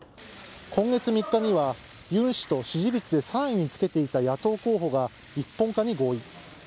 今月３日には、ユン氏と支持率で３位につけていた野党候補が一本化に合意。